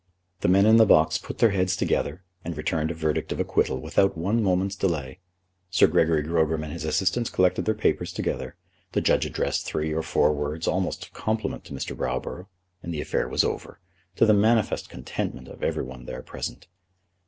The men in the box put their heads together, and returned a verdict of acquittal without one moment's delay. Sir Gregory Grogram and his assistants collected their papers together. The judge addressed three or four words almost of compliment to Mr. Browborough, and the affair was over, to the manifest contentment of every one there present.